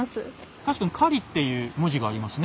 確かに「狩」っていう文字がありますね。